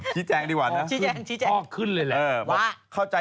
ชี้แจงดีกว่านะ